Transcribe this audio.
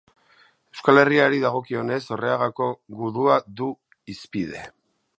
Euskal Herriari dagokionez, Orreagako gudua du hizpide.